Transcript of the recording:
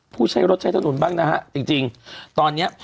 ผู้ใช้รถใช้ถนนบ้างนะฮะจริงตอนเนี้ย